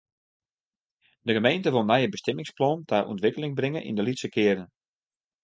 De gemeente wol nije bestimmingsplannen ta ûntwikkeling bringe yn de lytse kearnen.